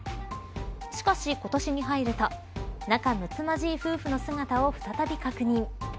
しかし、今年に入ると仲むつまじい夫婦の姿を再び確認。